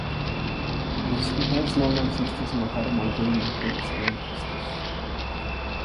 Os skinheads neonazistas mataram uma gangue de punks anarquistas